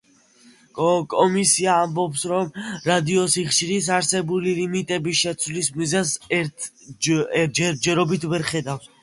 კომისია ამბობს, რომ რადიოსიხშირის არსებული ლიმიტების შეცვლის მიზეზს ჯერჯერობით ვერ ხედავს.